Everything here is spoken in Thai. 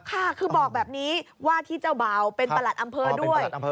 ค่ะคือบอกแบบนี้ว่าที่เจ้าบ่าวเป็นประหลัดอำเภอด้วย